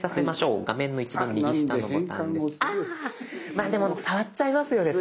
まあでも触っちゃいますよね。